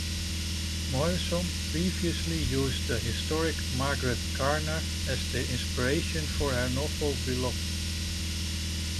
Morrison previously used the historic Margaret Garner as the inspiration for her novel "Beloved".